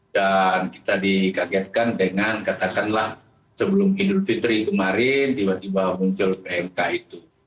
dan kita dikagetkan dengan katakanlah sebelum idul fitri kemarin tiba tiba muncul pmk itu